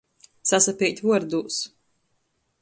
Sasapeit vuordūs.